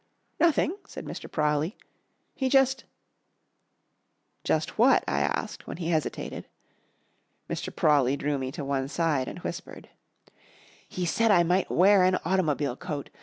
"Nothing!" said Mr. Prawley. "He just " "Just what?" I asked when he hesitated. Mr. Prawley drew me to one side and whispered. "He said I might wear an automobile coat.